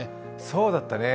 そうだったね。